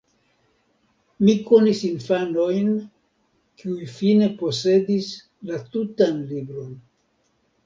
Mi konis infanojn kiuj fine posedis la tutan libron.